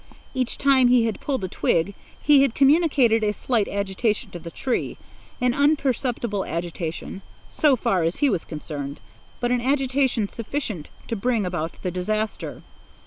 Each time he had pulled a twig he had communicated a slight agitation to the tree—an imperceptible agitation, so far as he was concerned, but an agitation sufficient to bring about the disaster.